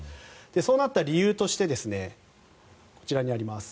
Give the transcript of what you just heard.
そうなった理由としてこちらにあります。